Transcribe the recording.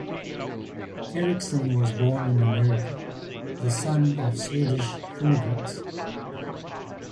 Erickson was born in America, the son of Swedish immigrants.